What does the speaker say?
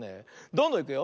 どんどんいくよ。